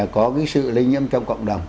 có cái sự lây nhiễm trong cộng đồng